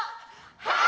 はい！